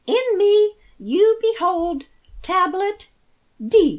"In me you behold Tablet—D.